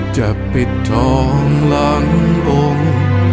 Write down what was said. จะปิดทองหลังองค์